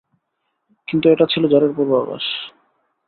কিন্তু এটা ছিল ঝড়ের পূর্বাভাস।